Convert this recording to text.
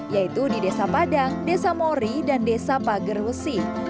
yaitu di desa padang desa mori dan desa pagerwesi